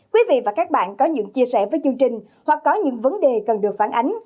quý vị và các bạn có những chia sẻ với chương trình hoặc có những vấn đề cần được phản ánh